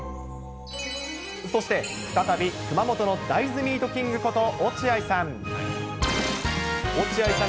そして再び、熊本の大豆ミートキングこと、落合さん。